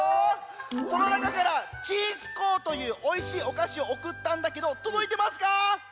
そのなかからちんすこうというおいしいおかしをおくったんだけどとどいてますか？